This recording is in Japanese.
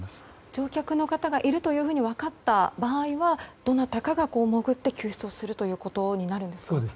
乗客の方がいると分かった場合はどなたかが潜って救出するということになりますか。